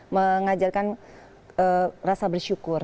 mengajarkan rasa bersyukur